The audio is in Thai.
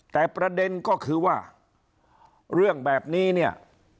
แต่ประเด็นก็คือว่าเรื่องแบบนี้เนี่ย